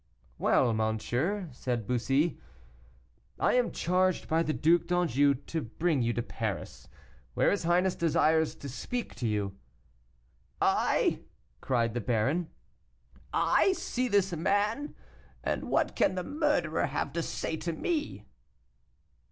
"Well, monsieur," said Bussy, "I am charged by the Duc d'Anjou to bring you to Paris, where his highness desires to speak to you." "I!" cried the baron, "I see this man! And what can the murderer have to say to me?"